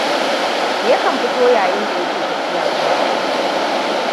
Yakan yi fito yayin da yake tafiya zuwa aiki.